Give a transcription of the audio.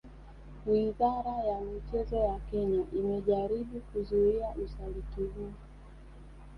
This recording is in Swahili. Wizara ya michezo ya Kenya imejaribu kuzuia usaliti huu